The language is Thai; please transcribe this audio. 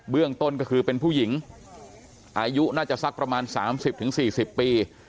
เรื่องต้นก็คือเป็นผู้หญิงอายุน่าจะสักประมาณ๓๐๔๐ปี